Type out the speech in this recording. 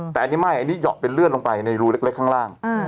แต่อันนี้ไม่อันนี้เหยาะเป็นเลื่อนลงไปในรูเล็กข้างล่าง